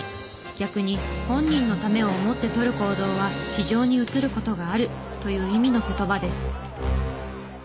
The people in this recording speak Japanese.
逆に本人のためを思って取る行動は非情に映る事があるという意味の言葉です。